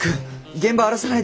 現場荒らさないで。